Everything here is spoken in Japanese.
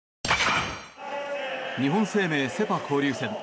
日本生命セ・パ交流戦。